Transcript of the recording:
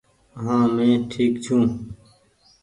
هآنٚ مينٚ ٺيڪ ڇوٚنٚ